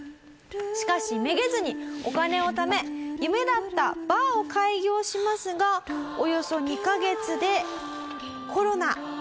しかしめげずにお金をため夢だったバーを開業しますがおよそ２カ月でコロナ。